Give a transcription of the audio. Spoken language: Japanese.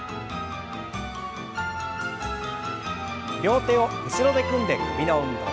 両手を後ろで組んで首の運動。